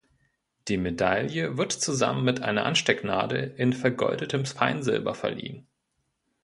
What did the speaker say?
Die Medaille wird zusammen mit einer Anstecknadel in vergoldetem Feinsilber verliehen.